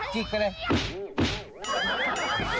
จิกไปเลย